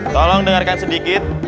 tolong dengarkan sedikit